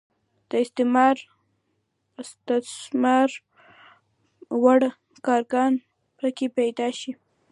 د استثمار وړ کارګران پکې پیدا شي.